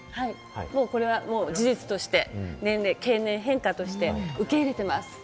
これは事実として、経年、変化として受け入れています。